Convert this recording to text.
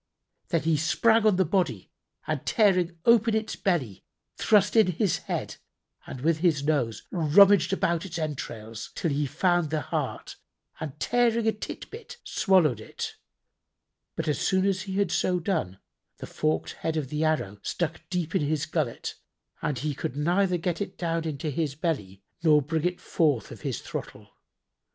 Then he sprang on the body and tearing open its belly, thrust in his head and with his nose rummaged about its entrails, till he found the heart and tearing a tid bit swallowed it: but, as soon as he had so done, the forked head of the arrow struck deep in his gullet and he could neither get it down into his belly nor bring it forth of his throttle.